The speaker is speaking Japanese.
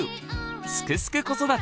「すくす子育て」